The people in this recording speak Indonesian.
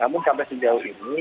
namun sampai sejauh ini